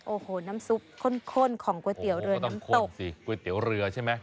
โอ้โหน้ำซุปข้นของก๋วยเตี๋ยวเรือน้ำตกสิก๋วยเตี๋ยวเรือใช่ไหม